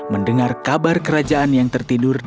mendengar kabar kerajaan yang tertidur dan berdiri